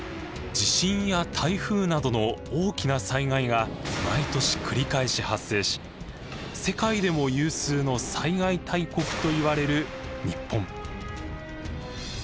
地震や台風などの大きな災害が毎年繰り返し発生し世界でも有数の災害大国といわれる日本。